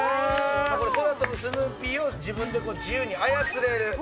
これ、空飛ぶスヌーピーを自分で自由に操れる。